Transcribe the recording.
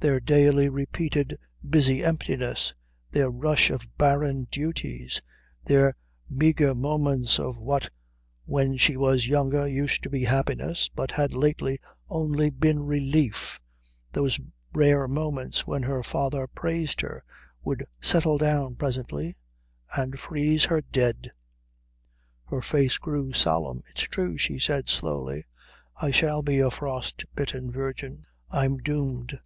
Their daily repeated busy emptiness, their rush of barren duties, their meagre moments of what when she was younger used to be happiness but had lately only been relief, those rare moments when her father praised her, would settle down presently and freeze her dead. Her face grew solemn. "It's true," she said slowly. "I shall be a frostbitten virgin. I'm doomed.